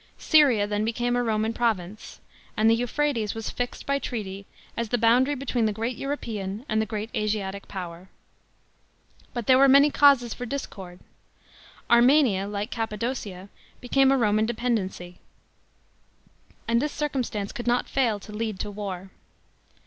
Syria then became a Roman province, and the Euphrates was fixed by treaty as the boundary between the great European and the great Asiatic power. But there were many causes for discord. Armenia, like Cappadocia, became a Roman dependency ; and this circumstance could not fail to lead to war.